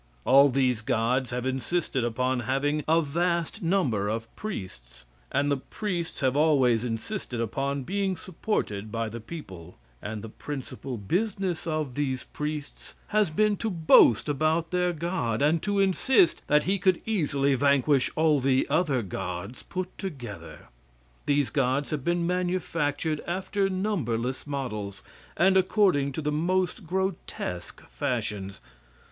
All these gods have insisted upon having a vast number of priests, and the priests have always insisted upon being supported by the people, and the principal business of these priests has been to boast about their God, and to insist that he could easily vanquish all the other gods put together. These gods have been manufactured after numberless models, and according to the most grotesque fashions.